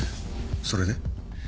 それで？